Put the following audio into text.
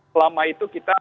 selama itu kita